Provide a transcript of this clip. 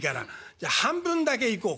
じゃ半分だけいこうか。